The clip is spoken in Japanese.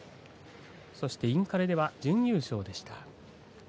そしてインカレ準優勝でした。